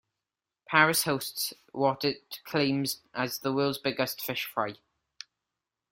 Paris hosts what it claims as the "World's Biggest Fish Fry".